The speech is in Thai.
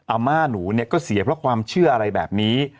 อาม่าหนูเนี่ยก็เสียเพราะความเชื่ออะไรแบบนี้